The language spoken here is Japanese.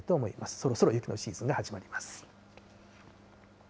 そろそろ雪のシーズンが始まります。